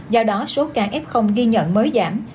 do đó số ca f ghi nhận mới giảm